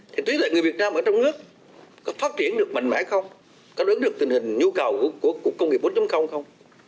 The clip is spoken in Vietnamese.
thì trí tuệ người việt nam ở trong nước có phát triển được mạnh mẽ không có đứng được tình hình nhu cầu của công nghiệp bốn không